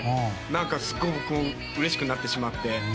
すごいうれしくなってしまって。